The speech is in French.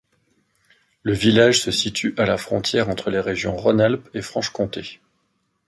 Le village se situe à la frontière entre les régions Rhône-Alpes et Franche-Comté.